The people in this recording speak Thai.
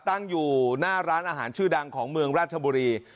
ตั้งอยู่หน้าร้านอาหารชื่อดังของเมืองราชบุรี